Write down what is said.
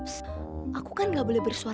oh mereka jetzt mulai berangkat